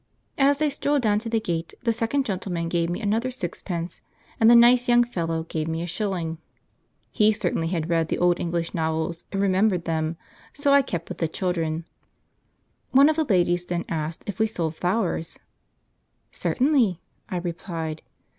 As they strolled down to the gate, the second gentleman gave me another sixpence, and the nice young fellow gave me a shilling; he certainly had read the old English novels and remembered them, so I kept with the children. One of the ladies then asked if we sold flowers. "Certainly," I replied.